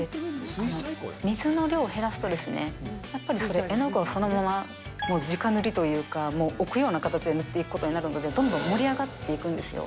水の量を減らすと、やっぱりそれ、絵の具をそのままじか塗りというか、もう置くような形で塗っていくことになるので、どんどん盛り上がっていくんですよ。